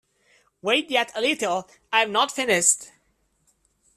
Wait yet a little. I am not finished.